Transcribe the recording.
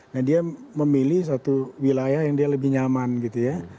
nah dia memilih satu wilayah yang dia lebih nyaman gitu ya